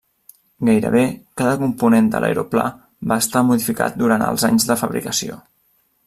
Gairebé cada component de l'aeroplà va estar modificat durant els anys de fabricació.